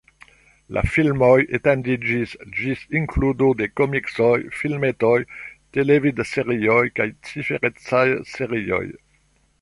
La filmoj etendiĝis ĝis inkludo de komiksoj, filmetoj, televidserioj kaj ciferecaj serioj.